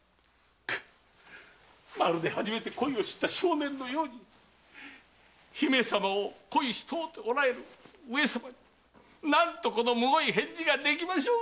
まるで初めて恋を知った少年のように姫様を恋しておられる上様に何とこのむごい返事ができましょうぞ！